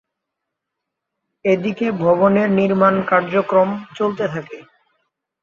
এদিকে ভবনের নির্মাণ কার্যক্রম চলতে থাকে।